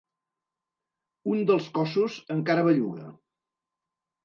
Un dels cossos encara belluga.